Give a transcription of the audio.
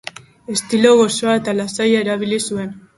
Estilo gozoa eta lasaia erabili zuen.